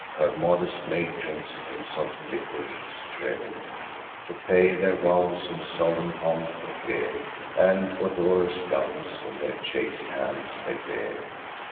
Here modest matrons, in soft litters driv'n, To pay their vows in solemn pomp appear, And odorous gums in their chaste hands they bear.